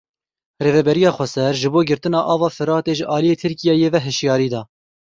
Rêveberiya Xweser ji bo girtina ava Firatê ji aliyê Tirkiyeyê ve hişyarî da.